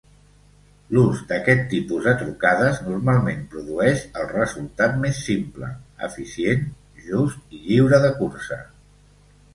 L'ús d'aquest tipus de trucades normalment produeix el resultat més simple, eficient, just i lliure de cursa.